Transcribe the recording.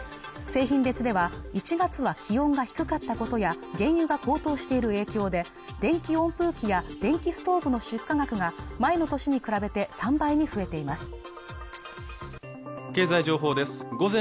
製品別では１月は気温が低かったことや原油が高騰している影響で電気温風機や電気ストーブの出荷額が前の年に比べて３倍に増えています